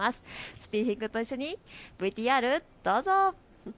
スピーフィ君と一緒にＶＴＲ、どうぞ。